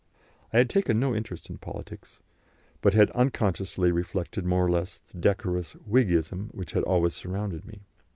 I had taken no interest in politics, but had unconsciously reflected more or less the decorous Whiggism which had always surrounded me.